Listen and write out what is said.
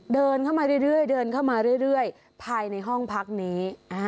เดินเข้ามาเรื่อยภายในห้องพักนี้